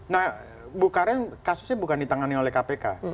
nah bu karen kasusnya bukan ditangani oleh kpk